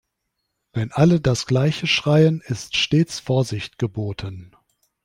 Wenn alle das gleiche schreien, ist stets Vorsicht geboten.